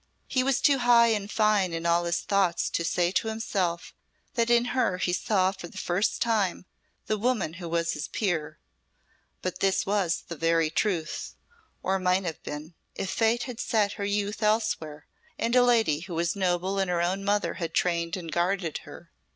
He was too high and fine in all his thoughts to say to himself that in her he saw for the first time the woman who was his peer; but this was very truth or might have been, if Fate had set her youth elsewhere, and a lady who was noble and her own mother had trained and guarded her.